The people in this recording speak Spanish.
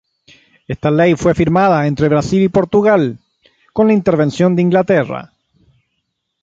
Esta ley fue firmada entre Brasil y Portugal, con la intervención de Inglaterra.